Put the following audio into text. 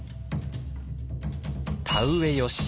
「田うえよし」